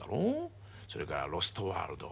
それから「ロストワールド」